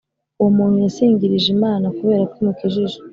uwo muntu yasingije imana kubera ko imukijije